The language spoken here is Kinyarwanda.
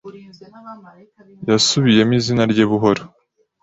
Yasubiyemo izina rye buhoro.